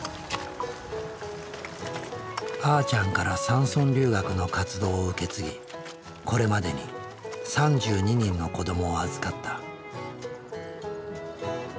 あーちゃんから山村留学の活動を受け継ぎこれまでに３２人の子どもを預かった。